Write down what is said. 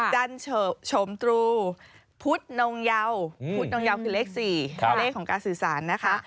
ชมตรูพุทธนงเยาพุทธนงเยาคือเลข๔เลขของการสื่อสารนะคะ